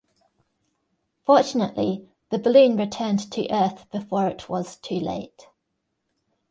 Fortunately, the balloon returned to earth before it was too late.